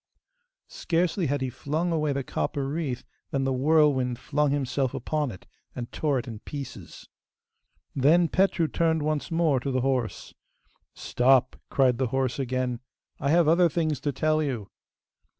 Scarcely had he flung away the copper wreath than the whirlwind flung himself upon it, and tore it in pieces. Then Petru turned once more to the horse. 'Stop!' cried the horse again. 'I have other things to tell you.